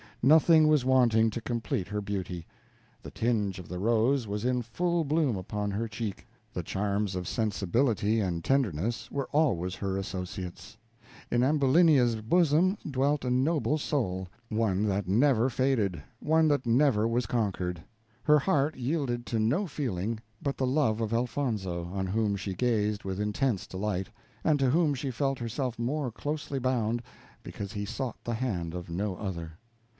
Nothing was wanting to complete her beauty. The tinge of the rose was in full bloom upon her cheek; the charms of sensibility and tenderness were always her associates.. In Ambulinia's bosom dwelt a noble soul one that never faded one that never was conquered. Her heart yielded to no feeling but the love of Elfonzo, on whom she gazed with intense delight, and to whom she felt herself more closely bound, because he sought the hand of no other.